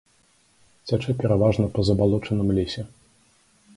Цячэ пераважна па забалочаным лесе.